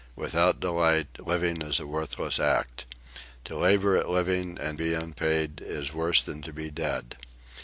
Without delight, living is a worthless act. To labour at living and be unpaid is worse than to be dead.